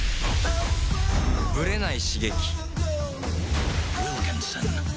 ブレない刺激